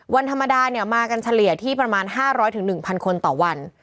วันธรรมดามากันเฉลี่ยที่ประมาณ๕๐๐๑๐๐คนต่อวัน